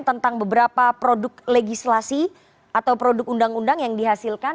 tentang beberapa produk legislasi atau produk undang undang yang dihasilkan